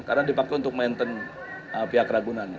karena dipakai untuk mainten pihak ragunan